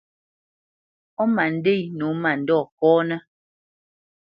Ó ma ndê nǒ mandɔ̂ kɔ́nə́.